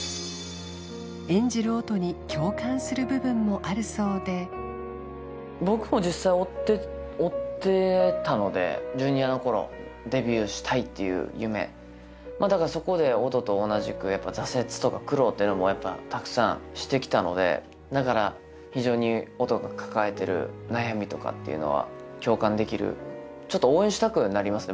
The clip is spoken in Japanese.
演じる音に共感する部分もあるそうで僕も実際追ってたのでＪｒ．の頃デビューしたいっていう夢まあだからそこで音と同じく挫折とか苦労っていうのもやっぱたくさんしてきたのでだから非常に音が抱えてる悩みとかっていうのは共感できるちょっと応援したくなりますね